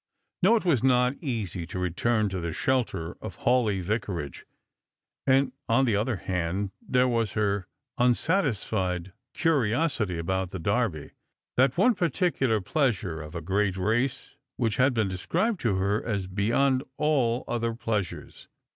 No, it was not easy to return to the shelter of Hawleigh Vicarage; and, on the other hand, there was her unsatisfied curiosity about the Derby, that one peculiar pleasure of a great race which had been described to her as beyond all other plea sures.